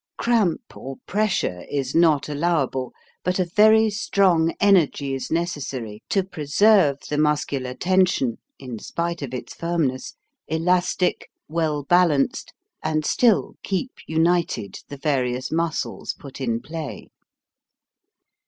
Cramp or pressure is not allowable, but a very strong energy is necessary to preserve the muscular tension in spite of its firmness elastic, well balanced, and still keep united the various muscles put in play.